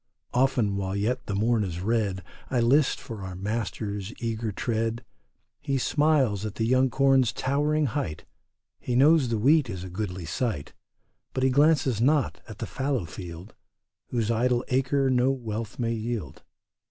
Often while yet the morn is red I list for our master's eager tread. He smiles at the young corn's towering height, He knows the wheat is a goodly sight, But he glances not at the fallow field Whose idle acres no wealth may yield.